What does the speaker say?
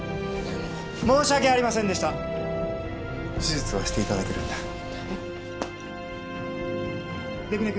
・申し訳ありませんでした手術はしていただけるんだねッ出久根君